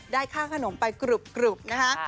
ได้ค่าขนมไปกรุบนะคะ